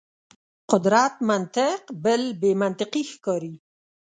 قدرت منطق بل بې منطقي ښکاري.